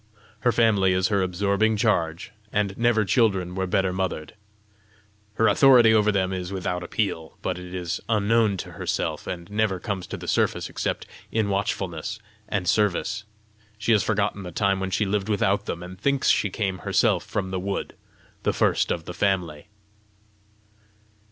Her family is her absorbing charge, and never children were better mothered. Her authority over them is without appeal, but it is unknown to herself, and never comes to the surface except in watchfulness and service. She has forgotten the time when she lived without them, and thinks she came herself from the wood, the first of the family.